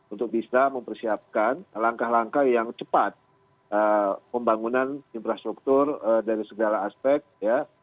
untuk bisa mempersiapkan langkah langkah yang cepat pembangunan infrastruktur dari segala aspek ya